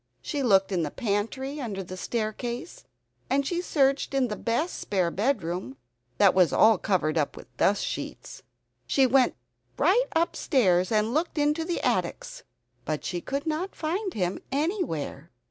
She looked in the pantry under the staircase, and she searched the best spare bedroom that was all covered up with dust sheets. She went right upstairs and looked into the attics, but she could not find him anywhere.